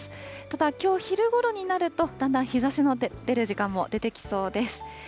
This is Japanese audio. ただ、きょう昼ごろになると、だんだん日ざしの出る時間も出てきそうです。